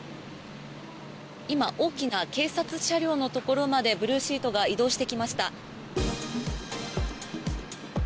今、大きな警察車両のところまでブルーシートが移動してきました。